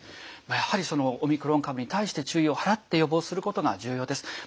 やはりそのオミクロン株に対して注意を払って予防することが重要です。